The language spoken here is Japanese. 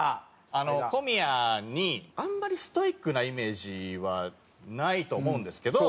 小宮にあんまりストイックなイメージはないと思うんですけど。